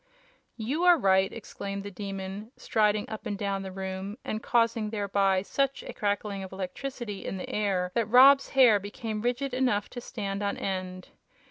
"You are right!" exclaimed the Demon, striding up and down the room, and causing thereby such a crackling of electricity in the air that Rob's hair became rigid enough to stand on end.